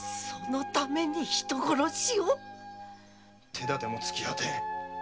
手だても尽き果て